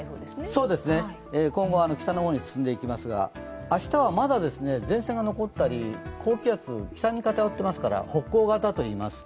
今後、北の方に進んでいきますが明日はまだ前線が残ったり、高気圧、北に偏ってますから北高型といいます。